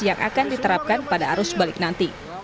yang akan diterapkan pada arus balik nanti